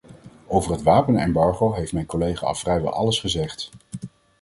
Over het wapenembargo heeft mijn collega al vrijwel alles gezegd.